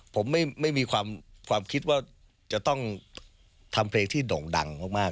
ผมไม่มีความคิดว่าจะต้องทำเพลงที่โด่งดังมาก